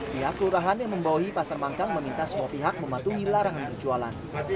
pihak kelurahan yang membawahi pasar mangkang meminta semua pihak mematuhi larangan berjualan